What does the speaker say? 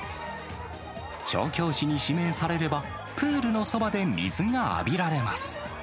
調教師に指名されれば、プールのそばで水が浴びられます。